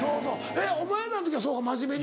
えっお前らの時はそうか真面目に。